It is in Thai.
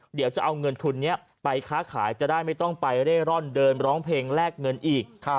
เดี๋ยวจะเอาเงินทุนนี้ไปค้าขายจะได้ไม่ต้องไปเร่ร่อนเดินร้องเพลงแลกเงินอีก